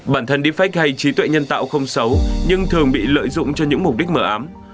bản thân defect hay trí tuệ nhân tạo không xấu nhưng thường bị lợi dụng cho những mục đích mở ám